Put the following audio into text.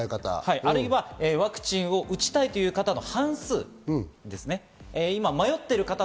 あるいはワクチンを打ちたいという方の半数。